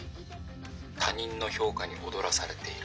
他人の評価に踊らされている」。